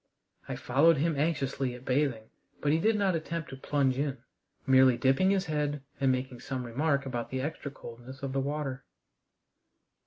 I followed him anxiously at bathing, but he did not attempt to plunge in, merely dipping his head and making some remark about the extra coldness of the water.